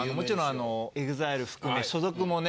あのＥＸＩＬＥ含め所属もね